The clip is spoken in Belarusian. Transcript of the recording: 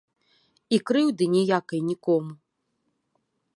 І крыўды ніякай нікому.